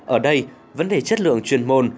ở đây vấn đề chất lượng chuyên môn